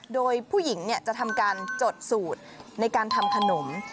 โดยผู้หญิงจะทำการจดสูตรในการทำขนม